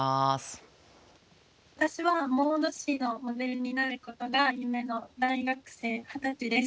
私はモード誌のモデルになることが夢の大学生二十歳です。